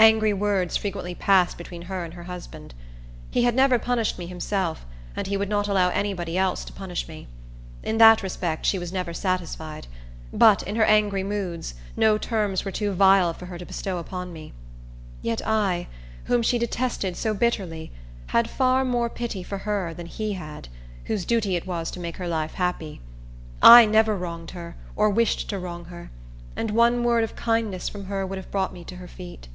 Angry words frequently passed between her and her husband. He had never punished me himself, and he would not allow any body else to punish me. In that respect, she was never satisfied; but, in her angry moods, no terms were too vile for her to bestow upon me. Yet I, whom she detested so bitterly, had far more pity for her than he had, whose duty it was to make her life happy. I never wronged her, or wished to wrong her, and one word of kindness from her would have brought me to her feet.